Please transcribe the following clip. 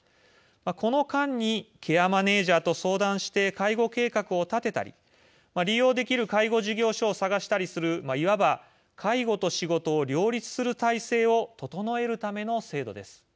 この間にケアマネージャーと相談して介護計画を立てたり利用できる介護事業所を探したりするいわば、介護と仕事を両立する体制を整えるための制度です。